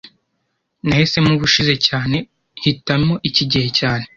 Nahisemo ubushize cyane Hitamo iki gihe cyane